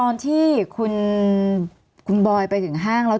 มีความรู้สึกว่ามีความรู้สึกว่า